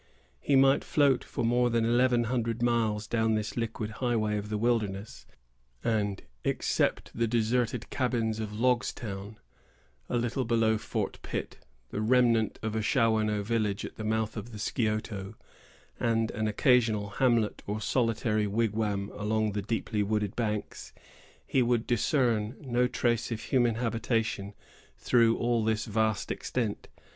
He might float for more than eleven hundred miles down this liquid highway of the wilderness, and, except the deserted cabins of Logstown, a little below Fort Pitt, the remnant of a Shawanoe village at the mouth of the Scioto, and an occasional hamlet or solitary wigwam along the deeply wooded banks, he would discern no trace of human habitation through all this vast extent.